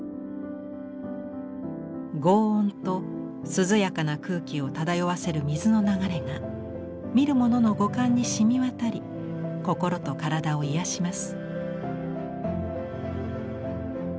ごう音と涼やかな空気を漂わせる水の流れが見る者の五感にしみ渡り心と体を癒やします。